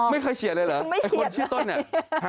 เฉียดเลยเหรอไอ้คนชื่อต้นเนี่ย